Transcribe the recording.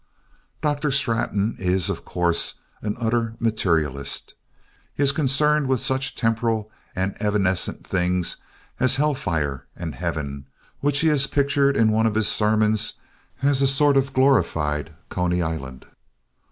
Dr. Straton is, of course, an utter materialist. He is concerned with such temporal and evanescent things as hellfire, and a heaven which he has pictured in one of his sermons as a sort of glorified Coney Island.